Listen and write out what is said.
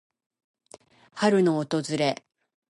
春の訪れ。